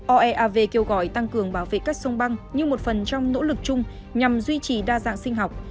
oeav kêu gọi tăng cường bảo vệ các sông băng như một phần trong nỗ lực chung nhằm duy trì đa dạng sinh học